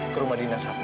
ke rumah dinas aku